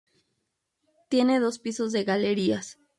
Tiene dos pisos de galerías.